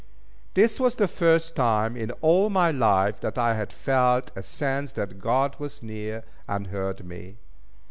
This was the first time in all my life that I had felt a sense that God was near, and heard me.